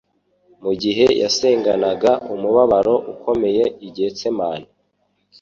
Mu gihe yasenganaga umubabaro ukomeye i Getsemani,